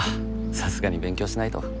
さすがに勉強しないと